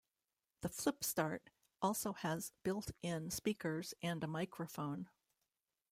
The FlipStart also has built in speakers and a microphone.